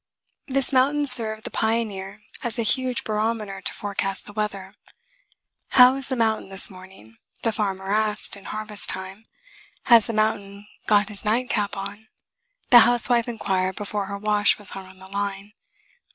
This mountain served the pioneer as a huge barometer to forecast the weather. "How is the mountain this morning?" the farmer asked in harvest time. "Has the mountain got his nightcap on?" the housewife inquired before her wash was hung on the line.